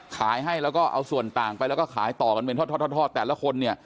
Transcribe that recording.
ขายให้แล้วก็เอาส่วนต่างไปแล้วก็ขายต่อกันเป็นทอดแต่ละคนเนี่ย